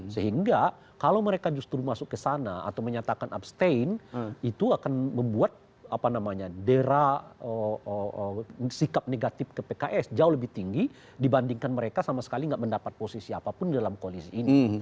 sehingga kalau mereka justru masuk ke sana atau menyatakan abstain itu akan membuat dera sikap negatif ke pks jauh lebih tinggi dibandingkan mereka sama sekali tidak mendapat posisi apapun dalam koalisi ini